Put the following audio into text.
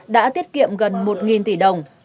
đã tiết kiệm gần một tỷ đồng